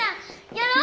やろう！